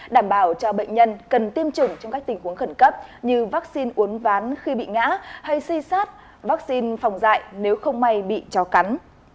đảm bảo cho bệnh nhân cần tiêm chủng trong các tình huống khẩn cấp như vaccine uốn ván khi bị ngã hay si sát vaccine phòng dạy nếu không may bị chó cắn